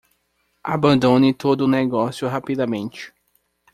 Abandone todo o negócio rapidamente.